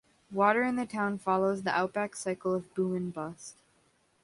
Water in the town follows the outback cycle of boom and bust.